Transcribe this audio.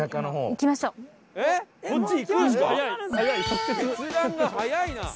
決断が速いな。